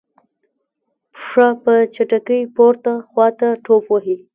پښه په چټکۍ پورته خواته ټوپ وهي.